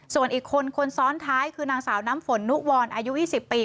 ส่วนอีกคนคนซ้อนท้ายคือนางสาวน้ำฝนนุวรอายุ๒๐ปี